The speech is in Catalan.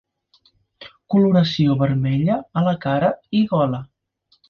Coloració vermella a la cara i gola.